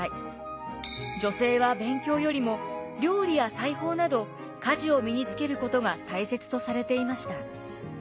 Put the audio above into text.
女性は勉強よりも料理や裁縫など家事を身につけることが大切とされていました。